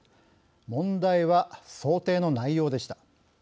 問題は、想定の内容でした。